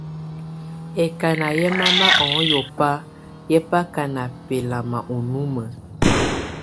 Ɛkáná yɛ́ mama ɔŋɔ́bá yɛ́ bá ká ná bɛ́lamá ú numǝ́.